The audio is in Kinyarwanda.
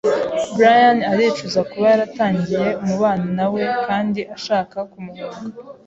Brian aricuza kuba yaratangiye umubano na we kandi ashaka kumuhunga.